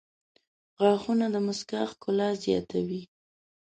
• غاښونه د مسکا ښکلا زیاتوي.